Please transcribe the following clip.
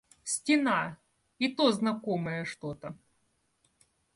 Стена — и то знакомая что-то.